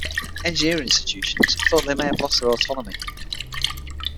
Engineering institutions thought they may have lost their autonomy.